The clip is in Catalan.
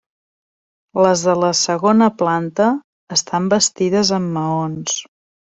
Les de la segona planta estan bastides amb maons.